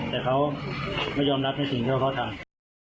แต่เขาไม่ยอมรับในสิ่งที่เขาทำ